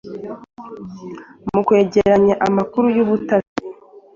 mu kwegeranya amakuru y'ubutasi